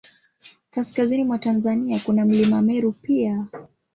Kaskazini mwa Tanzania, kuna Mlima Meru pia.